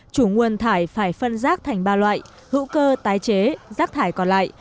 chủ nguồn thải phải phân rác thành ba loại hữu cơ tái chế rác thải còn lại